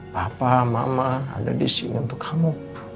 bapak mama ada disini untuk kamu